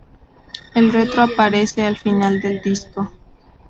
El retro aparece al final del disco.